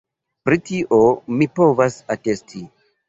Pri tio mi povas atesti.